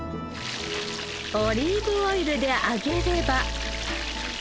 オリーブオイルで揚げれば。